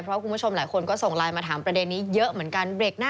เพราะคุณผู้ชมหลายคนก็ส่งไลน์มาถามประเด็นนี้เยอะเหมือนกันเบรกหน้า